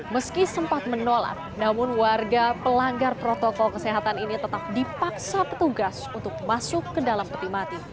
meski sempat menolak namun warga pelanggar protokol kesehatan ini tetap dipaksa petugas untuk masuk ke dalam peti mati